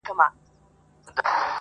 اروښاد عمردراز مروت صیب کليات نه انتخاب